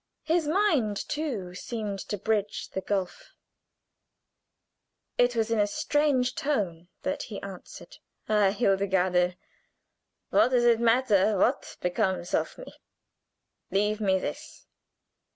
His mind, too, seemed to bridge the gulf it was in a strange tone that he answered: "Ah, Hildegarde! What does it matter what becomes of me? Leave me this!"